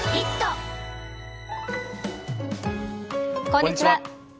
こんにちは。